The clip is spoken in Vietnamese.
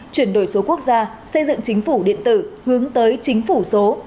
chuyển đổi số quốc gia xây dựng chính phủ điện tử hướng tới chính phủ số